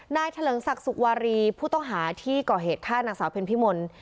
นายทะเลงศักดิ์สุขวารีผู้ต้องหาที่ก่อเหตุฆ่านักศัพท์เพ็ญพิมนต์